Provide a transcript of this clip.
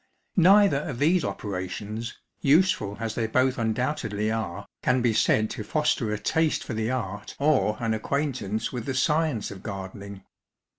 Neither of these operations, useful as they both undoubtedly are, can be said to foster a taste for the art or an acquaintance with the science of gardening.